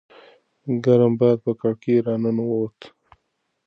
ګرم باد په کړکۍ راننووت.